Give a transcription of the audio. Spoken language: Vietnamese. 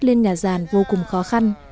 lên nhà giàn vô cùng khó khăn